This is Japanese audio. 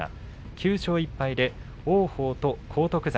９勝１敗で王鵬と荒篤山